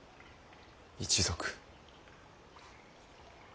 一族。